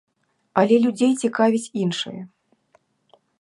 Але людзей цікавіць іншае.